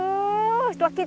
layaknya timun atau daun teh